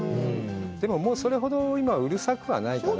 でもそれほど今はうるさくはないかな。